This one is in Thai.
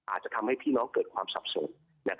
อาจจะทำให้พี่น้องเกิดความสับสน